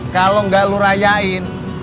kalo gak lu rayain